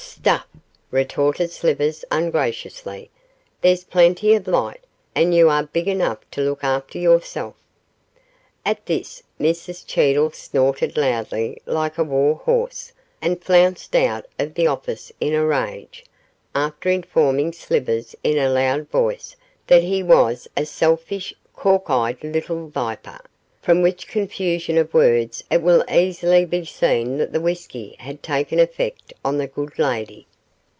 'Stuff!' retorted Slivers, ungraciously, 'there's plenty of light, and you are big enough to look after yourself.' At this Mrs Cheedle snorted loudly like a war horse, and flounced out of the office in a rage, after informing Slivers in a loud voice that he was a selfish, cork eyed little viper, from which confusion of words it will easily be seen that the whisky had taken effect on the good lady.